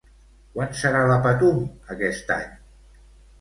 Quan serà la Patum aquest any?